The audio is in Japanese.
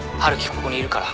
ここにいるから。